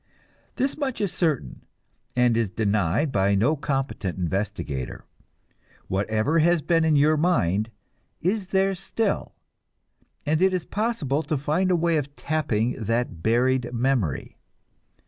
This much is certain, and is denied by no competent investigator: whatever has been in your mind is there still, and it is possible to find a way of tapping the buried memory.